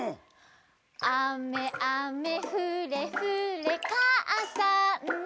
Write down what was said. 「あめあめふれふれかあさんが」